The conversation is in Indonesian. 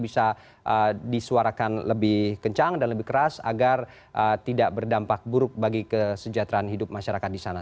bisa disuarakan lebih kencang dan lebih keras agar tidak berdampak buruk bagi kesejahteraan hidup masyarakat di sana